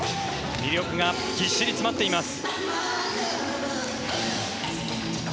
魅力がぎっしり詰まっています。